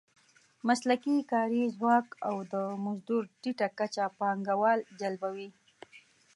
مسلکي کاري ځواک او د مزدور ټیټه کچه پانګوال جلبوي.